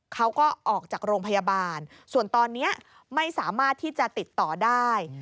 เขาก็ออกจากโรงพยาบาลส่วนตอนนี้ไม่สามารถที่จะติดต่อได้